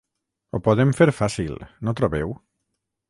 Ho podem fer fàcil, no trobeu?